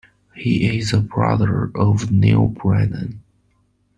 He is the brother of Neal Brennan.